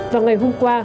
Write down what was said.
và ngày hôm qua